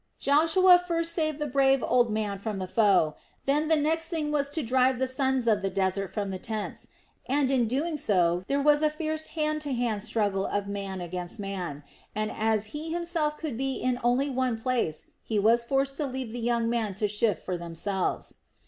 Joshua first saved the brave old man from the foe; then the next thing was to drive the sons of the desert from the tents and, in so doing, there was a fierce hand to hand struggle of man against man, and as he himself could be in only one place he was forced to leave the young men to shift for themselves.